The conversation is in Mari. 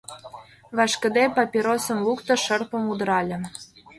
Вашкыде папиросым лукто, шырпым удырале.